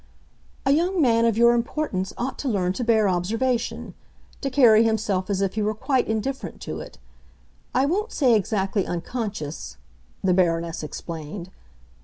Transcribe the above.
"A young man of your importance ought to learn to bear observation—to carry himself as if he were quite indifferent to it. I won't say, exactly, unconscious," the Baroness explained.